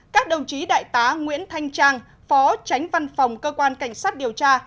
các đồng chí đại tá nguyễn thanh trang phó tránh văn phòng cơ quan cảnh sát điều tra